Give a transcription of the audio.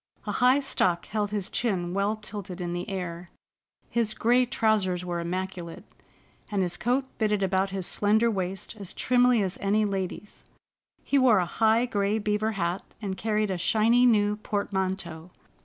A high stock held his chin well tilted in the air, his gray trousers were immaculate, and his coat fitted about his slender waist as trimly as any lady's. He wore a high gray beaver hat and carried a shiny new portmanteau.